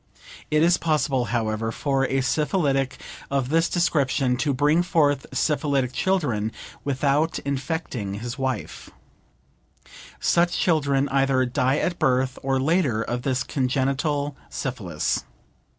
It is possible, however, for a syphilitic of this description to bring forth syphilitic children, without infecting his wife. Such children either die at birth, or later, of this congenital syphilis.